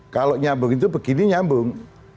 kalau nyambung itu begini nyambung